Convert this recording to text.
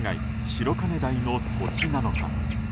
白金台の土地なのか。